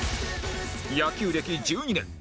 野球歴１２年